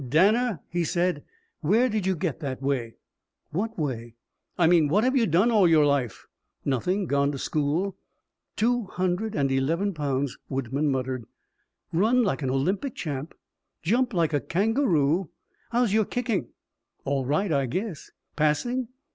"Danner," he said, "where did you get that way?" "What way?" "I mean what have you done all your life?" "Nothing. Gone to school." "Two hundred and eleven pounds," Woodman muttered, "run like an Olympic champ jump like a kangaroo how's your kicking?" "All right, I guess." "Passing?"